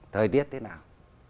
thời tiết thế nào